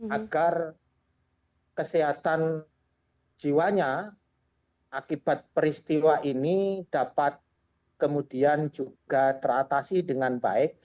agar kesehatan jiwanya akibat peristiwa ini dapat kemudian juga teratasi dengan baik